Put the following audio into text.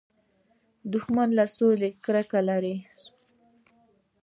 دښمن له سولې کرکه لري